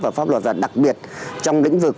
và pháp luật và đặc biệt trong lĩnh vực